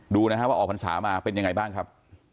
ดูนะฮะว่าออกพรรษามาเป็นยังไงบ้างครับ